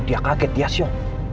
dia kaget ya sio